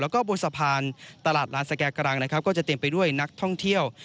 แล้วก็บนสะพานตลาดลานสแก่กรังนะครับก็จะเต็มไปด้วยนักท่องเที่ยว